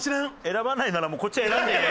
選ばないならもうこっちが選んでいい？